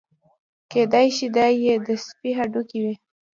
کېدای شي دا یې د سپي هډوکي وي.